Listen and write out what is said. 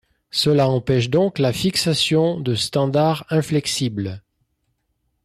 Cela empêche donc la fixation de standards inflexibles.